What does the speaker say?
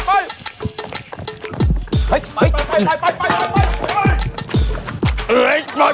ไปไปไปไปไปไป